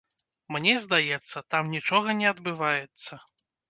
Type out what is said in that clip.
Мне здаецца, там нічога не адбываецца.